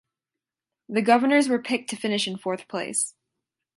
The Governors were picked to finish in fourth place.